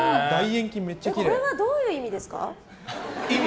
これはどういう意味ですか？